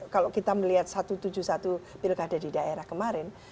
kalau kita melihat satu ratus tujuh puluh satu pilkada di daerah kemarin